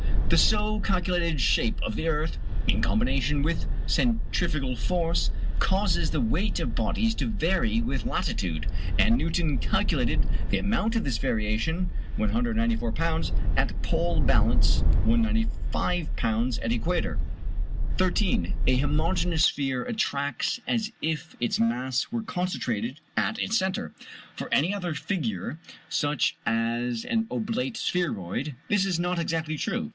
The so calculated shape of the earth, in combination with centrifugal force, causes the weight of bodies to vary with latitude; and Newton calculated the amount of this variation. 194 lbs. at pole balance 195 lbs. at equator. 13. A homogeneous sphere attracts as if its mass were concentrated at its centre. For any other figure, such as an oblate spheroid, this is not exactly true.